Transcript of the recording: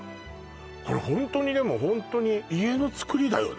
これホントにでもホントに家の造りだよね